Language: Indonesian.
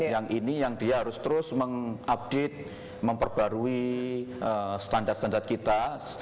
yang ini yang dia harus terus mengupdate memperbarui standar standar kita